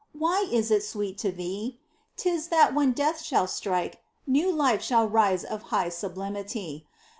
Why is it sweet to thee ?— 'Tis that when death shall strike, new life shall rise Of high sublimity.